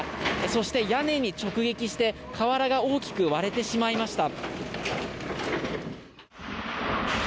そして屋根に直撃して瓦が大きく割れてしまいました。